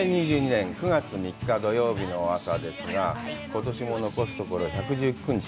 ２０２２年９月３日、土曜日の朝ですが、ことしも残すところ１１９日。